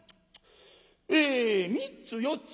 え３つ４つ。